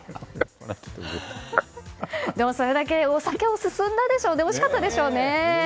でもそれだけお酒も進んだでしょうおいしかったでしょうね。